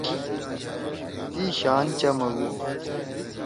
تی شان چَمَگُو۔